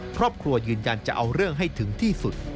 ครอบครัวยืนยันจะเอาเรื่องให้ถึงที่สุด